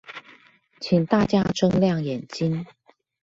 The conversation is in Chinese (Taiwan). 請大家睜亮眼睛